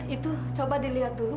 itu coba dilihat dulu